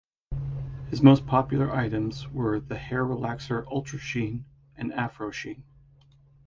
His most popular items were the hair relaxer Ultra Sheen and Afro Sheen.